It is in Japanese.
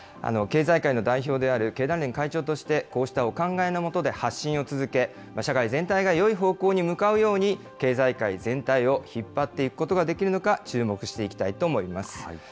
経済界の代表である経団連会長として、こうしたお考えのもとで発信を続け、社会全体がよい方向に向かうように、経済界全体を引っ張っていくことができるのか、注目していきたいと思います。